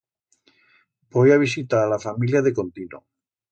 Voi a visitar a la familia de contino.